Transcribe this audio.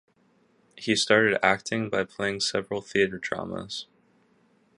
He started acting by playing several theater dramas.